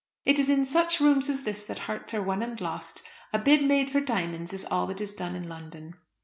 It is in such rooms as this that hearts are won and lost; a bid made for diamonds is all that is done in London."